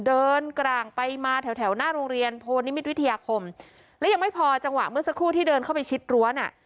กลางไปมาแถวแถวหน้าโรงเรียนโพนิมิตวิทยาคมและยังไม่พอจังหวะเมื่อสักครู่ที่เดินเข้าไปชิดรั้วน่ะ